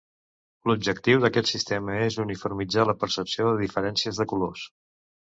L'objectiu d'aquest sistema és uniformitzar la percepció de diferències de colors.